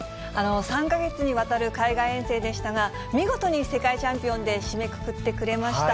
３か月にわたる海外遠征でしたが、見事に世界チャンピオンで締めくくってくれました。